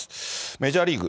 メジャーリーグ。